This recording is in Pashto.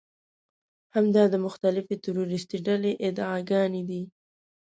همدا د مخالفې تروريستي ډلې ادعاګانې دي.